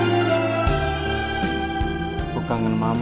kan aku kaget banget kan